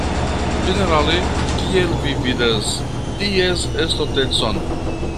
Ĝenerale kiel vi vidas ties estontecon?